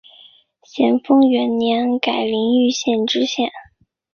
咸丰元年改临榆县知县。